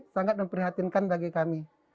sangat memprihatinkan bagi kami